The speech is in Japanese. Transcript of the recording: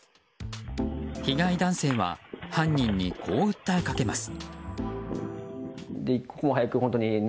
被害男性は犯人に、こう訴えかけます。